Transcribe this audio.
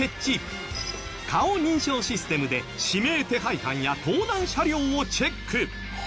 顔認証システムで指名手配犯や盗難車両をチェック。